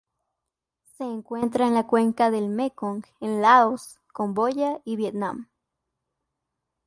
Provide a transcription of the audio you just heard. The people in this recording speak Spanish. Se encuentra en la cuenca del Mekong en Laos, Camboya y Vietnam.